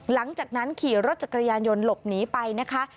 หลังจากนั้นขี่รถจักรยานยนต์หลบหนีไปนะคะ